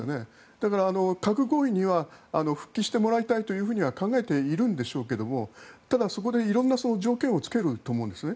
だから、核合意には復帰してもらいたいとは考えているんでしょうけどもただ、そこで色んな条件をつけると思うんですね。